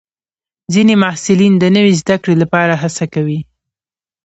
ځینې محصلین د نوي زده کړې لپاره هڅه کوي.